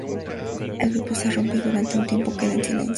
El grupo se rompe y, durante un tiempo, queda en silencio.